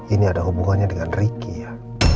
ini ada hubungannya dengan ricky ya